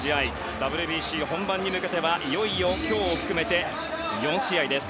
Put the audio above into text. ＷＢＣ本番に向けては、いよいよ今日を含めて４試合です。